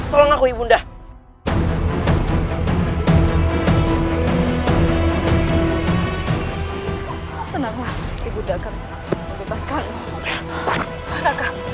tenanglah ibu undah akan melepaskanmu